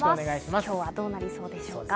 今日はどうなりそうでしょうか？